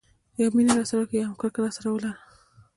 یا مینه راسره وکړه او یا هم کرکه راسره ولره.